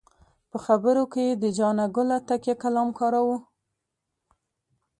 په خبرو کې یې د جانه ګله تکیه کلام کاراوه.